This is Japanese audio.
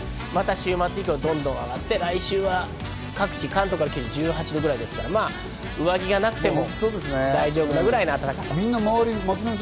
週末以降、どんどん上がって来週は各地、関東から九州１８度前後ですから、上着がなくても大丈夫な暖かさだそうです。